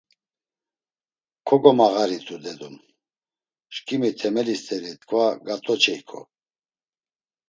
Kogomağaritu, dedum; şǩimi temeli st̆eri t̆ǩva gat̆oçeyǩo.